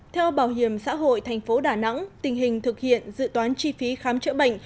theo bảo hiểm xã hội tp đà nẵng tình hình thực hiện dự toán chi phí khám chữa bệnh